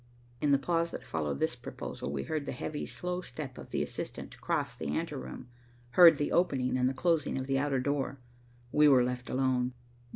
In the pause that followed this proposal, we heard the heavy, slow step of the assistant cross the anteroom, heard the opening and the closing of the outer door. We were left alone.